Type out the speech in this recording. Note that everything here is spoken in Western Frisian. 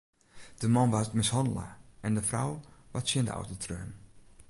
De man waard mishannele en de frou waard tsjin de auto treaun.